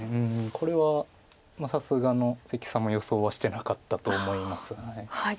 これはさすがの関さんも予想はしてなかったと思います。